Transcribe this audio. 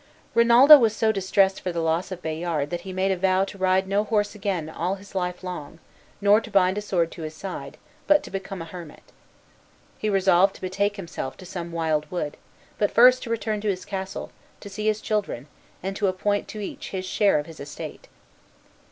Rinaldo was so distressed for the loss of Bayard that he made a vow to ride no horse again all his life long, nor to bind a sword to his side, but to become a hermit. He resolved to betake himself to some wild wood, but first to return to his castle, to see his children, and to appoint to each his share of his estate.